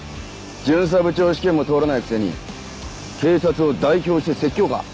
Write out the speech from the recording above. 巡査部長試験も通らないくせに警察を代表して説教か？